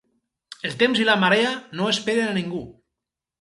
El temps i la marea no esperen a ningú.